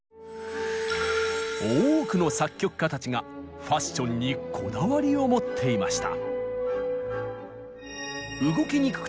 多くの作曲家たちがファッションにこわだりを持っていました！